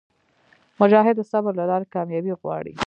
مجاهد د صبر له لارې کاميابي غواړي.